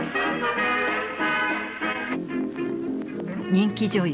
人気女優